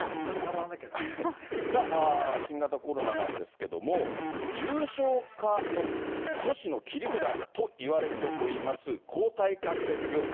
さあ、新型コロナなんですけども、重症化の阻止の切り札といわれております、抗体カクテル療法。